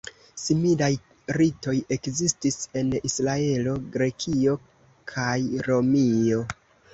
Similaj ritoj ekzistis en Israelo, Grekio kaj Romio.